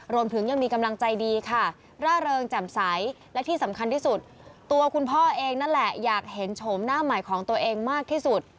รวมถึงยังมีกำลังใจดีค่ะร่าเริงแจ่มใสและที่สำคัญที่สุดตัวคุณพ่อเองนั่นแหละอยากเห็นโฉมหน้าใหม่ของตัวเองมากที่สุด